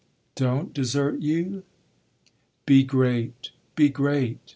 "Don't desert you ?" "Be great be great.